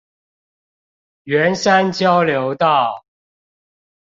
圓山交流道